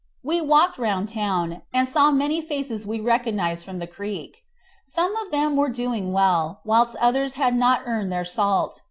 We walked round the town, and saw many faces we recognised from the Creek. Some of them were doing well, whilst others had not earned their salt.